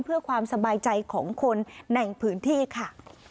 เพื่อความสบายใจของคนในพื้นที่ค่ะ